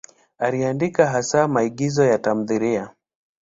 Aliandika hasa maigizo na tamthiliya.